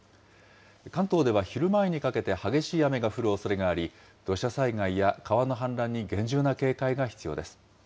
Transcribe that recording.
関東では昼前にかけて激しい雨が降るおそれがあり、土砂災害や川の氾濫に厳重な警戒が必要です。